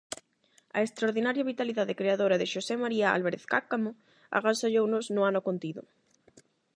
A extraordinaria vitalidade creadora de Xosé María Álvarez Cáccamo agasallounos no ano contido.